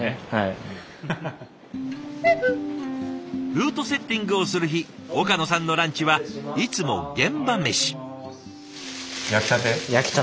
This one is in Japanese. ルートセッティングをする日岡野さんのランチはいつも現場メシ。